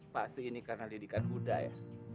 pasti ini karena didikan buddha ya